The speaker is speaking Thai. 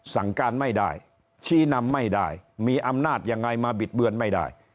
สั่งการไม่ได้ชี้นำไม่ได้มีอำนาจยังไงมาบิดเบือนไม่ได้